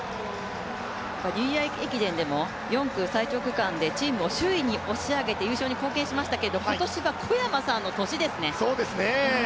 ニューイヤー駅伝でもチームを首位に押し上げて、優勝に導きましたけど今年は小山さんの年ですね。